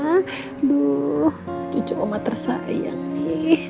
aduh cucu umat tersayang nih